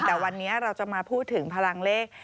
แต่วันนี้เราจะมาพูดถึงพลังเลข